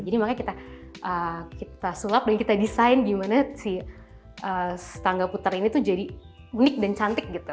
jadi makanya kita sulap dan kita desain gimana si tangga puter ini tuh jadi unik dan cantik gitu